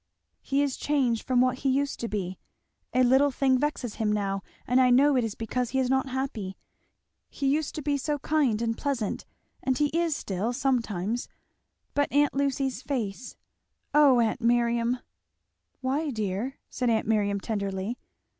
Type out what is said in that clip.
"He is changed from what he used to be a little thing vexes him now, and I know it is because he is not happy; he used to be so kind and pleasant, and he is still, sometimes; but aunt Lucy's face Oh aunt Miriam! " "Why, dear?" said aunt Miriam, tenderly.